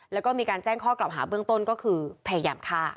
แล้วก็มีการแจ้งข้อกล่าวหาเบื้องต้นก็คือพยายามฆ่า